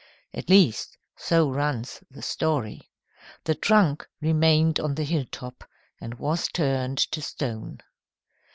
At least, so runs the story. The trunk remained on the hilltop and was turned to stone.